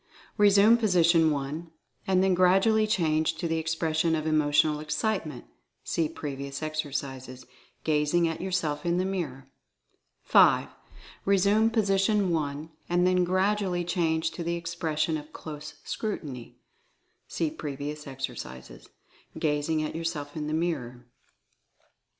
Resume position 1, and then gradually change to the expression of Emotional Excitement (see pre vious exercises) gazing at yourself in the mirror. 5. Resume position 1, and then gradually change to the expression of Close Scrutiny (see previous ex ercises), gazing at yourself in the mirror.